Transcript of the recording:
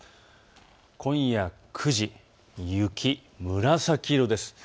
今夜９時、雪、紫色です。